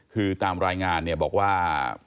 คือตามรายงานเนี่ยบอกว่า